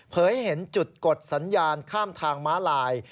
เห็นจุดกดสัญญาณข้ามทางม้าลาย